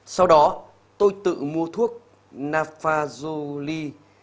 sau đó tôi tự mua thuốc nafazoli